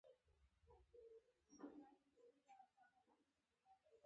حرکت د انرژۍ له مصرف سره کېږي.